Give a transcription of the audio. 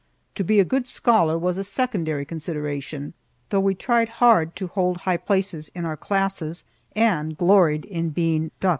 To be a good scholar was a secondary consideration, though we tried hard to hold high places in our classes and gloried in being Dux.